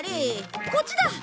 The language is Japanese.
こっちだ！